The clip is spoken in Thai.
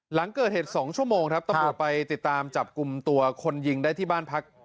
หลังเกิดเหตุ๒ชั่วโมงครับตำรวจไปติดตามจับกลุ่มตัวคนยิงได้ที่บ้านพัก